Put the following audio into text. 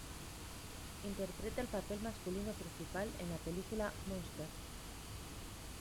Interpreta el papel masculino principal en la película "Monsters".